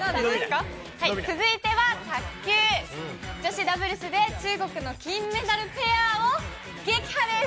続いては卓球、女子ダブルスで中国の金メダルペアを撃破です。